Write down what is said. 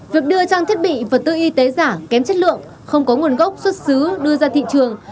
việc đưa trang thiết bị vật tư y tế giả kém chất lượng không có nguồn gốc xuất xứ đưa ra thị trường